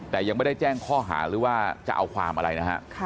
แต่ยังไม่ได้แจ้งข้อหาหรือว่าจะเอาความอะไรนะฮะ